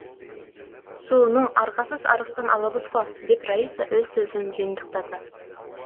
Сууну аргасыз арыктан алабыз го, — деп Раиса өз сөзүн жыйынтыктады.